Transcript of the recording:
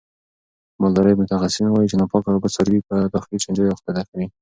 د مالدارۍ متخصصین وایي چې ناپاکه اوبه څاروي په داخلي چنجیو اخته کوي.